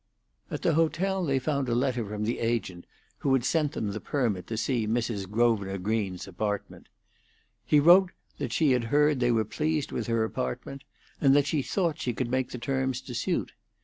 At the hotel they found a letter from the agent who had sent them the permit to see Mrs. Grosvenor Green's apartment. He wrote that she had heard they were pleased with her apartment, and that she thought she could make the terms to suit.